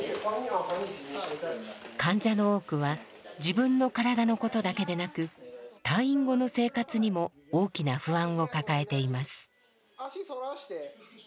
患者の多くは自分の体のことだけでなく退院後の生活にも大きな不安を抱えています。